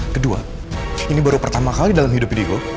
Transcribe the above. kedua ini baru pertama kali dalam hidup digo